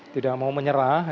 tidak mau menyerah